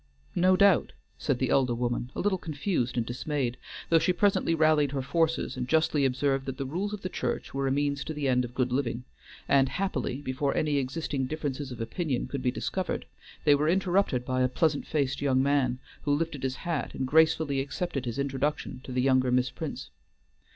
"No doubt," said the elder woman, a little confused and dismayed, though she presently rallied her forces and justly observed that the rules of the church were a means to the end of good living, and happily, before any existing differences of opinion could be discovered, they were interrupted by a pleasant faced young man, who lifted his hat and gracefully accepted his introduction to the younger Miss Prince.